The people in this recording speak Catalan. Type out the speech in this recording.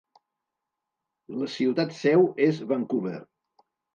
La ciutat Seu és Vancouver.